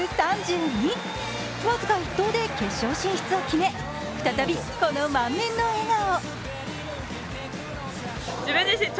僅か１投で決勝進出を決め再び、この満面の笑顔。